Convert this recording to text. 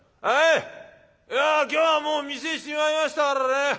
「おい今日はもう店しまいましたからね。